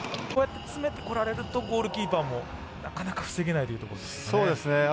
詰めてこられるとゴールキーパーもなかなか防げないですね。